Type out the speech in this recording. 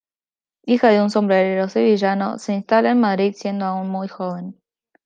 Hija de un sombrerero sevillano, se instala en Madrid siendo aún muy joven.